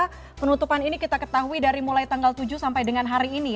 karena penutupan ini kita ketahui dari mulai tanggal tujuh sampai dengan hari ini